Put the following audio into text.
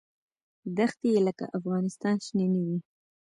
دښتې یې لکه افغانستان شنې نه وې.